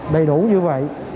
đầy đủ như vậy